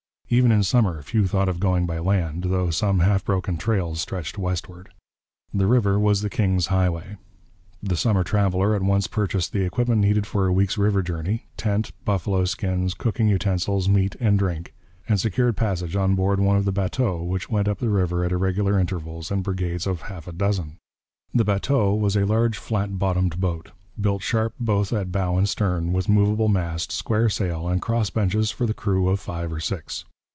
Even in summer few thought of going by land, though some half broken trails stretched westward. The river was the king's highway. The summer traveller at once purchased the equipment needed for a week's river journey tent, buffalo skins, cooking utensils, meat and drink and secured passage on board one of the bateaux which went up the river at irregular intervals in brigades of half a dozen. The bateau was a large flat bottomed boat, built sharp both at bow and stern, with movable mast, square sail, and cross benches for the crew of five or six.